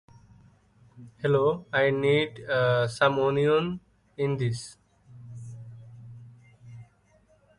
The interstate continues east through Lonoke, Brinkley, and West Memphis on the eastern side.